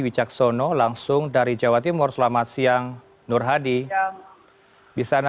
wicaksono langsung dari jawa timur selamat siang nurhadi bisa anda